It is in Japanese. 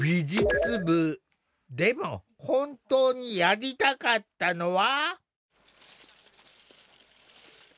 でも本当にやりたかったのは。